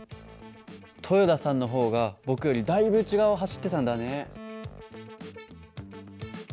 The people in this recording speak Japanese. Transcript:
豊田さんの方が僕よりだいぶ内側を走ってたんだね。